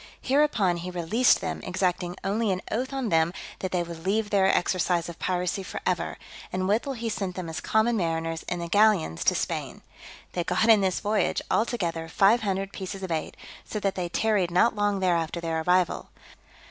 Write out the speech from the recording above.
Hereupon he released them, exacting only an oath on them that they would leave their exercise of piracy for ever; and withal he sent them as common mariners, in the galleons, to Spain. They got in this voyage, all together, five hundred pieces of eight; so that they tarried not long there after their arrival.